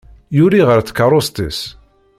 Yuli ɣer tkeṛṛust-is.